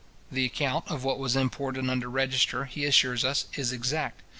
The account of what was imported under register, he assures us, is exact.